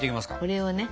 これをね